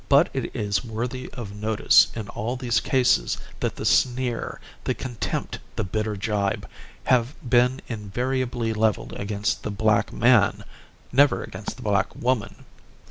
But it is worthy of notice in all these cases that the sneer, the contempt, the bitter gibe, have been invariably leveled against the black man never against the black woman!